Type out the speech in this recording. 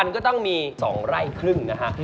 มันก็ต้องมี๒ไร่ครึ่งนะฮะ